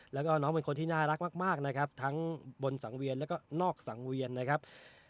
แล้วก็น้องเป็นคนที่น่ารักมากนะครับทั้งบนสังเวียนแล้วก็นอกสังเวียนนะครับ